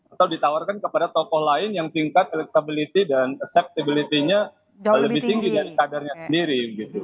atau ditawarkan kepada tokoh lain yang tingkat elektability dan acceptability nya lebih tinggi dari kadernya sendiri